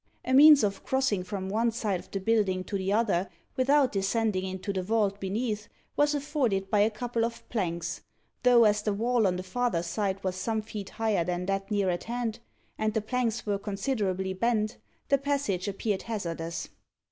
A means of crossing from one side of the building to the other, without descending into the vault beneath, was afforded by a couple of planks; though as the wall on the farther side was some feet higher than that near at hand, and the planks were considerably bent, the passage appeared hazardous.